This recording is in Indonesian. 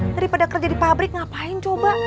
daripada kerja di pabrik ngapain coba